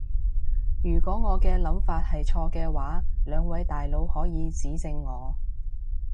如果我嘅諗法係錯嘅話，兩位大佬可以指正我